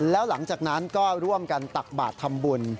แล้วหลังจากนั้นก็ร่วมกันตักบาททำบุญ